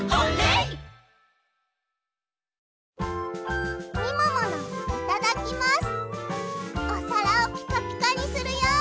いただきます。